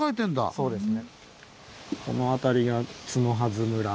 そうですね。